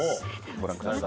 ご覧ください。